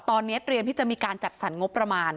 ตอนนี้เตรียมที่จะมีการจัดสรรงบประมาณ